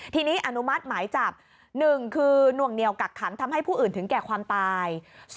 ทีนี้อนุมัติหมายจับ๑คือหน่วงเหนียวกักขังทำให้ผู้อื่นถึงแก่ความตาย